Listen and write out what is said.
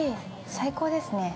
最高ですね。